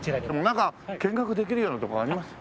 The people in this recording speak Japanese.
なんか見学できるようなとこあります？